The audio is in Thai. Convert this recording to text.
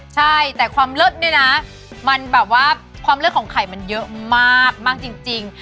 ใช่แต่ความเลิศเนี่ยนะมันแบบว่าความเลิศของไข่มันเยอะมากมากจริง